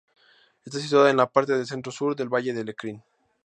Está situada en la parte centro-sur del Valle de Lecrín.